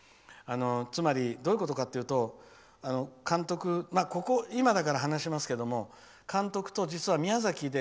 つまり、どういうことかというと今だから話しますけど監督と実は宮崎で。